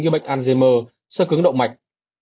như bệnh alzheimer sơ cứng động mạch